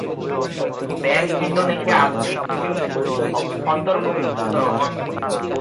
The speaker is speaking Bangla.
ব্যাংক ইন্দোনেশিয়া আর্থিক অন্তর্ভুক্তি নীতি প্রচারে সক্রিয় ভূমিকা পালন করে এবং আর্থিক অন্তর্ভুক্তি জোটের নেতৃস্থানীয় সদস্য।